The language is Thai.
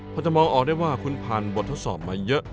พอจะมองออกได้ว่าคุณผ่านบททดสอบมาเยอะ